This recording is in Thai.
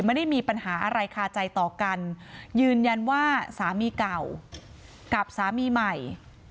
ไม่ได้มีปัญหาอะไรคาใจต่อกันยืนยันว่าสามีเก่ากับสามีใหม่